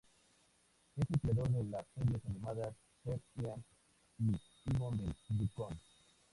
Es el creador de las series animadas Ser Ian y Yvon del Yukón.